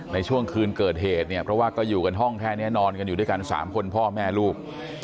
ในช่วงคืนเกิดเหตุเนี่ยเพราะว่าก็อยู่กันห้องแค่นี้นอนกันอยู่ด้วยกัน๓คนพ่อแม่ลูก